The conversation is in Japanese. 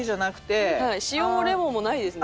塩もレモンもないですね。